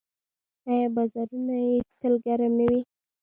آیا بازارونه یې تل ګرم نه وي؟